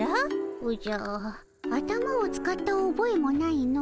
おじゃ頭を使ったおぼえもないの。